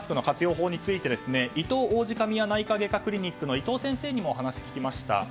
法についていとう王子神谷内科外科クリニックの伊藤先生にもお話を聞きました。